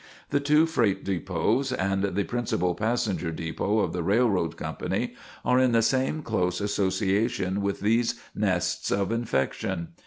The two freight depots and the principal passenger depot of the Railroad Company are in the same close association with these nests of infection.